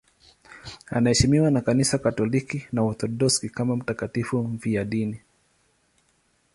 Anaheshimiwa na Kanisa Katoliki na Waorthodoksi kama mtakatifu mfiadini.